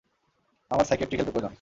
আমার সাইকিয়াট্রিক হেল্পের প্রয়োজন।